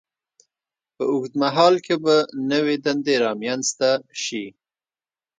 په اوږد مهال کې به نوې دندې رامینځته شي.